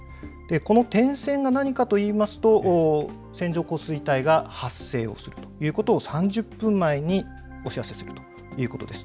この点線が何かと言いますと線状降水帯が発生をするということを３０分前にお知らせするということです。